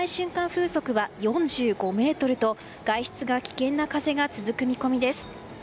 風速は４５メートルと外出が危険な風が続く見込みです。